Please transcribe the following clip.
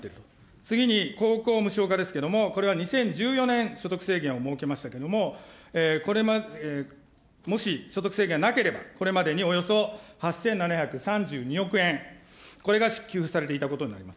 次に高校無償化ですけども、これは２０１４年、所得制限を設けましたけれども、もし所得制限なければ、これまでにおよそ８７３２億円、これが支給されていたことになります。